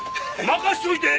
任せといて！